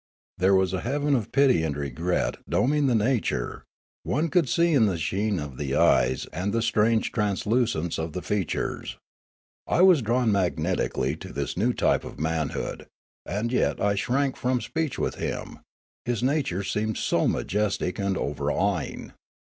There was a heaven of pity and regret doming the nature, one could see in the sheen of the eyes and the strange translucence of 376 Noola i"]"] the features. I was drawn magnetically to this new type of manhood ; and yet I shrank from speech with him, his nature seemed so majestic and overawing.